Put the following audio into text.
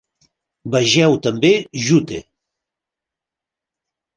Vegeu també Jute.